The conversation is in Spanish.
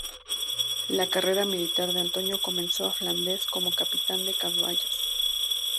La carrera militar de Antonio comenzó en Flandes como capitán de caballos.